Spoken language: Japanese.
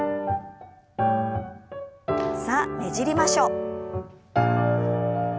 さあねじりましょう。